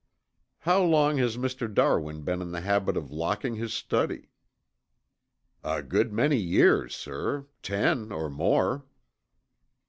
"How long has Mr. Darwin been in the habit of locking his study?" "A good many years, sir, ten or more."